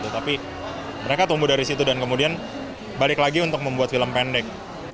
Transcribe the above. tapi mereka tumbuh dari situ dan kemudian balik lagi untuk membuat film pendek